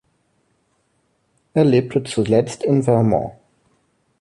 Er lebte zuletzt in Vermont.